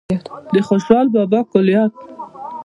د خوشال بابا کلیات